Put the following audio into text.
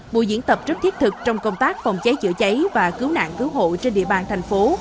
buổi diễn tập rất thiết thực trong công tác phòng cháy chữa cháy và cứu nạn cứu hộ trên địa bàn thành phố